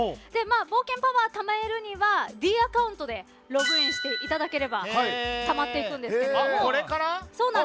冒険パワーをためるにはｄアカウントでログインしていただければたまっていくんですけれども。